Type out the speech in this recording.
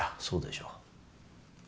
そうでしょう？